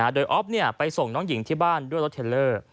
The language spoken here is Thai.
โดยอ๊อฟไปส่งน้องหญิงที่บ้านด้วยรถเทลเลอร์